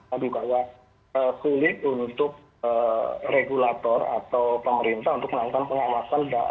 jadi kalau kulit untuk regulator atau pemerintah untuk melakukan pengawasan